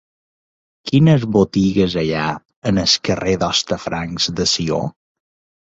Quines botigues hi ha al carrer d'Hostafrancs de Sió?